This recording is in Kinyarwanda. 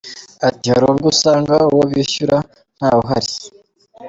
Ati “Hari ubwo usanga uwo bishyuza ntawe uhari.